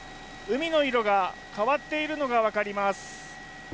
海の色が変わっているのが分かります。